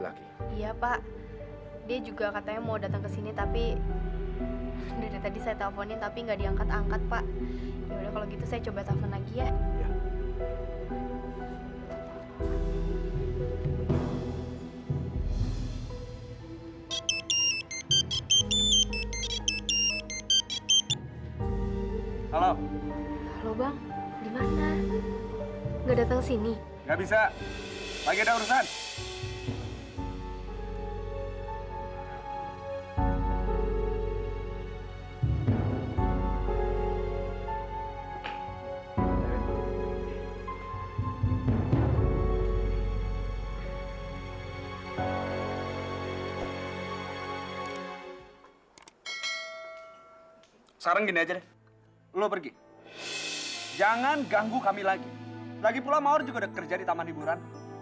lagipula mawar juga udah kerja di taman hiburan